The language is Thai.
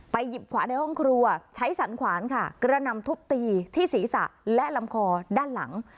หยิบขวานในห้องครัวใช้สันขวานค่ะกระนำทุบตีที่ศีรษะและลำคอด้านหลัง